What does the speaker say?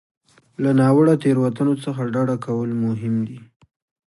له ناوړه تېروتنو څخه ډډه کول مهم دي.